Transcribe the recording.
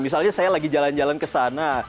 misalnya saya lagi jalan jalan ke sana